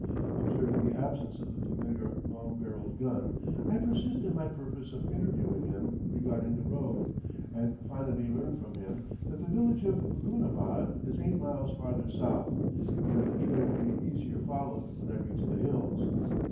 Observing the absence of the familiar long barrelled gun, I persist in my purpose of interviewing him regarding the road, and finally learn from him that the village of Goonabad is eight miles farther south, and that the trail will be easier followed when I reach the hills.